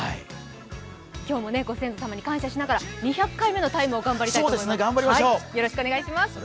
今日もご先祖様に感謝しながら２００回目の「ＴＩＭＥ，」を頑張りたいと思います。